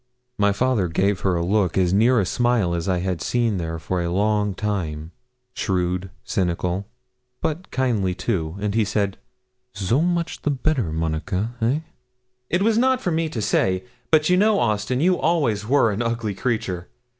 My father gave her a look as near a smile as I had seen there for a long time, shrewd, cynical, but kindly too, and said he 'So much the better, Monica, eh?' 'It was not for me to say but you know, Austin, you always were an ugly creature.